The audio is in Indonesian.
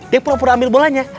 dia pura pura ambil bolanya